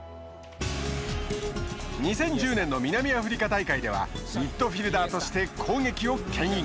２０１０年の南アフリカ大会ではミッドフィルダーとして攻撃をけん引。